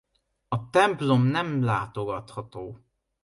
A templom nem látogatható.